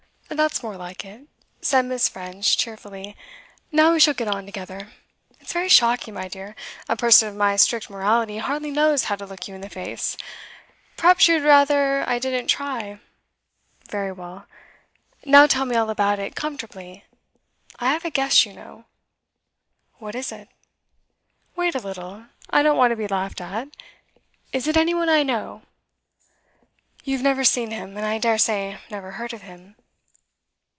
'That's more like it,' said Miss. French cheerfully. 'Now we shall get on together. It's very shocking, my dear. A person of my strict morality hardly knows how to look you in the face. Perhaps you had rather I didn't try. Very well. Now tell me all about it, comfortably. I have a guess, you know.' 'What is it?' 'Wait a little. I don't want to be laughed at. Is it any one I know?' 'You have never seen him, and I dare say never heard of him.